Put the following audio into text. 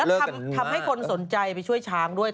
แล้วทำให้คนสนใจไปช่วยช้างด้วย